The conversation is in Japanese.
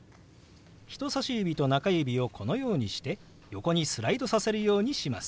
人さし指と中指をこのようにして横にスライドさせるようにします。